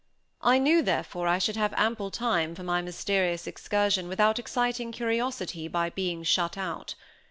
I knew, therefore, I should have ample time for my mysterious excursion without exciting curiosity by being shut out.